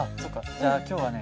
じゃあ今日はね